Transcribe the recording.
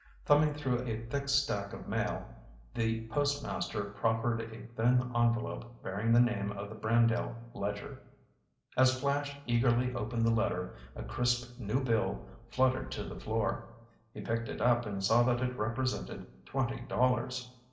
Thumbing through a thick stack of mail, the post master proffered a thin envelope bearing the name of the Brandale Ledger. As Flash eagerly opened the letter, a crisp new bill fluttered to the floor. He picked it up and saw that it represented twenty dollars.